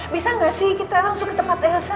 bisa nggak sih kita langsung ke tempat elsa